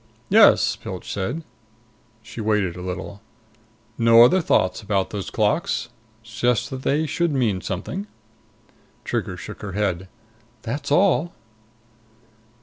"Yes," Pilch said. She waited a little. "No other thought about those clocks? Just that they should mean something?" Trigger shook her head. "That's all."